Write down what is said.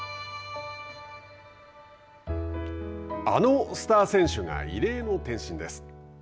あのスター選手が異例の転身です。